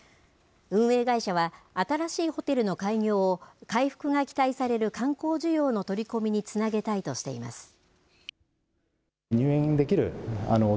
運営会社は、新しいホテルの開業を、回復が期待される観光需要の取り込みにつなげたいとしています。